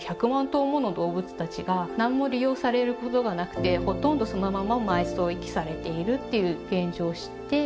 頭もの動物たちが何も利用されることがなくてほとんどそのまま埋葬遺棄されているっていう現状を知って。